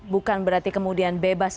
bukan berarti kemudian bebas